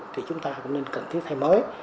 thì chúng ta cũng nên cần thiết thay mới